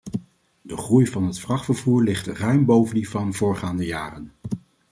De groei van het vrachtvervoer ligt ruim boven die van voorgaande jaren.